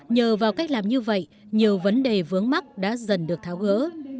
nhờ vào cách làm như vậy nhiều vấn đề vướng mắt đã dần được tháo gỡ